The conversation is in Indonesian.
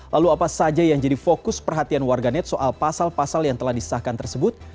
lalu apa saja yang jadi fokus perhatian warganet soal pasal pasal yang telah disahkan tersebut